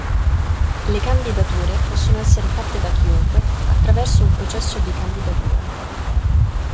Le candidature possono essere fatte da chiunque attraverso un processo di candidatura.